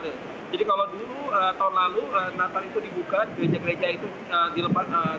jadi kalau dulu tahun lalu natal itu dibuka gereja gereja itu dilepas